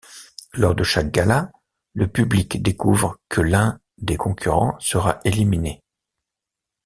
Lors de chaque gala, le public découvre que l'un des concurrents sera éliminé.